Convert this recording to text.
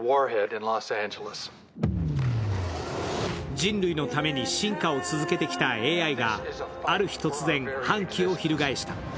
人類のために進化を続けてきたＡＩが、ある日突然反旗を翻した。